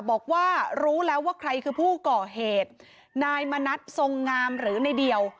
บอกว่ารู้แล้วว่าใครคือผู้ก่อเหตุนายมณัฐทรงงามหรือในเดียว